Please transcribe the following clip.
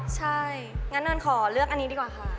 ใช่งั้นเนินขอเลือกอันนี้ดีกว่าค่ะ